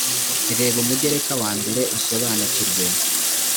reba umugereka wa mbere usobanukirwe